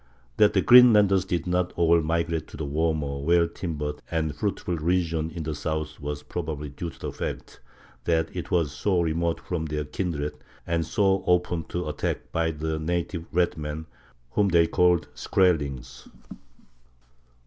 That the Greenlanders did not all migrate to the warmer, well timbered, and fruitful region in the south was probably due to the fact that it was so remote from their kindred, and so open to attack by the native red men, whom they called skrellings. [Illustration: A VIKING GALLEY.